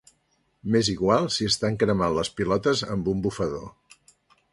M'és igual si t'estan cremant les pilotes amb un bufador.